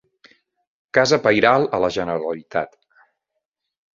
Casa pairal a la Generalitat.